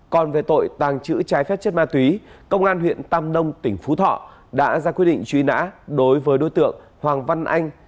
còn về tội tàng trữ trái phép chất ma túy công an huyện tam nông tỉnh phú thọ đã ra quyết định truy nã đối với đối tượng hoàng văn anh